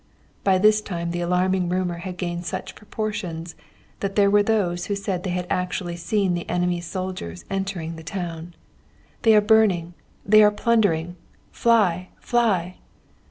By this time the alarming rumour had gained such proportions that there were those who said they had actually seen the enemy's soldiers entering the town. 'They are burning, they are plundering fly! fly!'